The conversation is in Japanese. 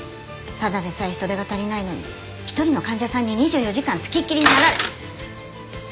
ただでさえ人手が足りないのに一人の患者さんに２４時間付きっきりになられ。